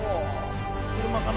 車かな？